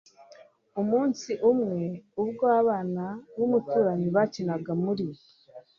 umunsi umwe, ubwo abana b'umuturanyi bakinaga muri